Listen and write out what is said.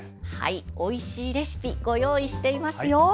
おいしいレシピご用意していますよ。